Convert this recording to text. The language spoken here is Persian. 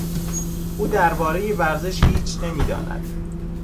او دربارهی ورزش هیچ نمیداند.